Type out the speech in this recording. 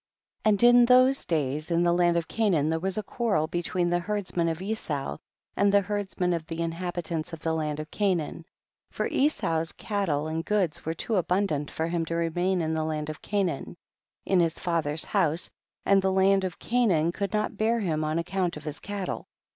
And in those days, in the land of Canaan, there was a quarrel be tween the herdsmen of Esau and the herdsmen of the inhabitants of the land of Canaan, for Esau's cattle and goods were too abundant for him to remain in the land of Canaan, in his father's house, and the land of Ca naan could not bear him on account of his cattle.